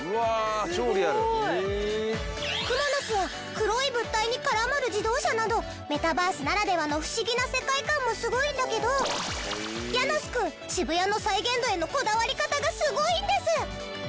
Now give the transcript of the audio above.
クモの巣や黒い物体に絡まる自動車などメタバースならではの不思議な世界観もすごいんだけどヤノスくん渋谷の再現度へのこだわり方がすごいんです！